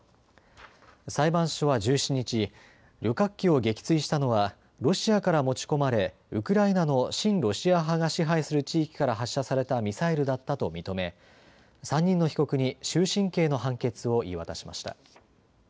裁判所は１７日、旅客機を撃墜したのはロシアから持ち込まれウクライナの親ロシア派が支配する地域から発射されたミサイルだったと認め、３人の被告に終身刑の判決を言い渡しました。